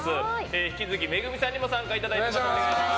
引き続きＭＥＧＵＭＩさんにも参加していただいています。